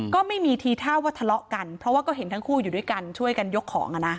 ก็ไม่มีทีท่าว่าทะเลาะกันเพราะว่าก็เห็นทั้งคู่อยู่ด้วยกันช่วยกันยกของอ่ะนะ